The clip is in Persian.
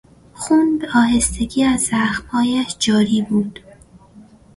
خون به آهستگی از زخمهایش جاری بود.